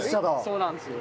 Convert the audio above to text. そうなんですよ。